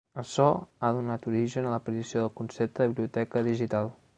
Açò ha donat origen a l'aparició del concepte de biblioteca digital.